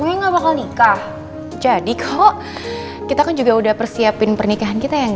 gue gak bakal nikah jadi kok kita kan juga udah persiapin pernikahan kita yang